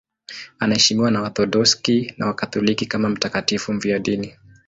Anaheshimiwa na Waorthodoksi na Wakatoliki kama mtakatifu mfiadini.